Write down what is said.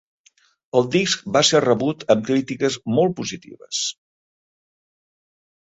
El disc va ser rebut amb crítiques molt positives.